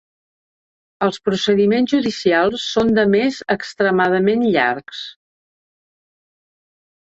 Els procediments judicials són, de més, extremadament llargs.